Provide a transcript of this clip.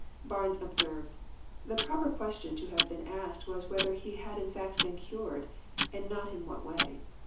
Barnes observes :" The proper question to have been asked was whether he had in fact been cured, and not in what way.